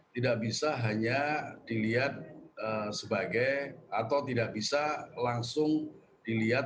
tidak bisa hanya dilihat sebagai atau tidak bisa langsung dilihat